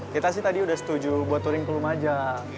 kita sih tadi udah setuju buat touring kelumaja